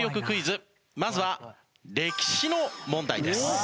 クイズまずは歴史の問題です。